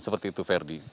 seperti itu ferdi